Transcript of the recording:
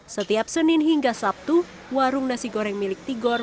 setiap senin hingga sabtu warung nasi goreng milik tigor